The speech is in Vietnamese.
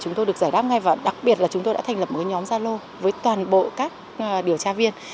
chúng tôi được giải đáp ngay và đặc biệt là chúng tôi đã thành lập một nhóm gia lô với toàn bộ các điều tra viên